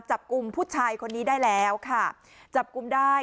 จับกลุ่มผู้ชายคนนี้ได้แล้วค่ะจับกลุ่มได้